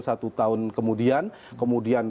satu tahun kemudian kemudian